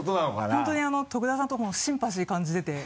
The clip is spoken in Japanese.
本当に徳田さんとシンパシー感じてて。